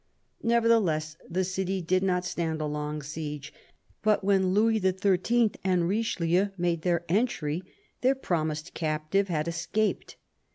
Nevertheless, the city did not stand a long siege ; but when Louis XIIL and Richelieu made their entry, their promised captive had escaped.